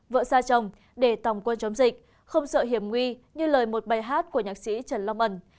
vợ xa chồng để tòng quân chống dịch không sợ hiểm nguy như lời một bài hát của nhạc sĩ trần long ẩn